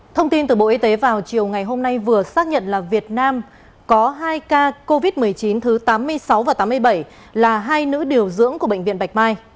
thông tin từ bộ y tế vào chiều ngày hôm nay vừa xác nhận là việt nam có hai ca covid một mươi chín thứ tám mươi sáu và tám mươi bảy là hai nữ điều dưỡng của bệnh viện bạch mai